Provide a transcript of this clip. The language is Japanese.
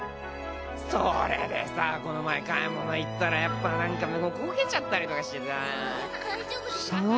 それでさこの前買い物行ったらやっぱなんかこけちゃったりとかしてさ。